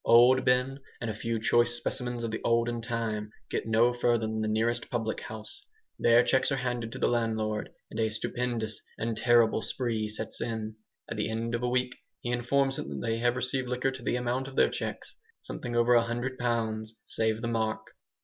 Old Ben and a few choice specimens of the olden time get no further than the nearest public house. Their cheques are handed to the landlord and a "stupendous and terrible spree" sets in. At the end of a week he informs them that they have received liquor to the amount of their cheques something over a hundred pounds save the mark!